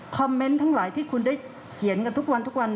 คอมเมนต์ทั้งหลายที่คุณได้เขียนกันทุกวัน